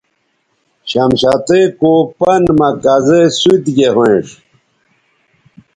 شمشتئ کو پن مہ کزے سوت گے ھوینݜ